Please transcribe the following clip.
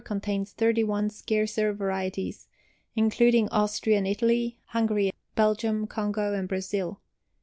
Contains 31 scarcer varieties, including Austrian Italy, Hungary, Belgium, Congo, and Brazil.